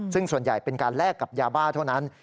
ซึ่งส่วนใหญ่เป็นการแลกกับยาบ้าเท่านั้น